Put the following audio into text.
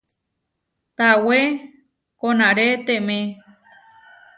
Tawé koʼnarétemé.